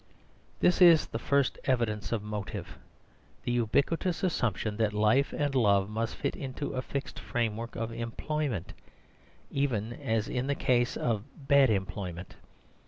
This is the first evidence of motive: the ubiquitous assumption that life and love must fit into a fixed framework of employment, even (as in this case) of bad employment.